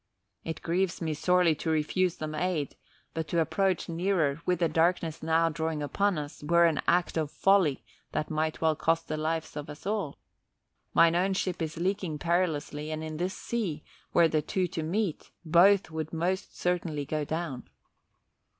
"It grieves me sorely to refuse them aid, but to approach nearer, with the darkness now drawing upon us, were an act of folly that might well cost the lives of us all. Mine own ship is leaking perilously and in this sea, were the two to meet, both would most certainly go down."